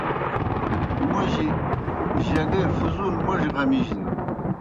موْجیْ جگے فصول موڙیْ غمِجنَن۔